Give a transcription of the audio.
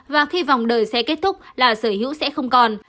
và khi vòng đời xe kết thúc là sở hữu sẽ không còn